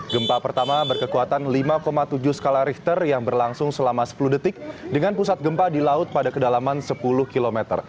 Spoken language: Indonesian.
gempa pertama berkekuatan lima tujuh skala richter yang berlangsung selama sepuluh detik dengan pusat gempa di laut pada kedalaman sepuluh km